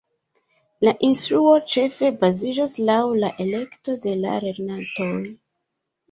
La instruo ĉefe baziĝas laŭ la elekto de la lernantoj.